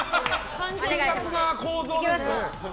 複雑な構造ですね。